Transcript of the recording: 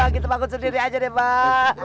kita bangun sendiri aja deh pak